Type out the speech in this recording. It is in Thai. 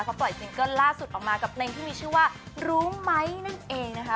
เขาปล่อยซิงเกิ้ลล่าสุดออกมากับเพลงที่มีชื่อว่ารู้ไหมนั่นเองนะคะ